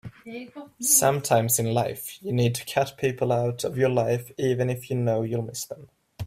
Sometimes in life you need to cut people out of your life even if you know you'll miss them.